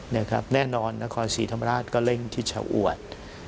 แน่นอนนครศรีธรรมราชก็เร่งที่ชะอวด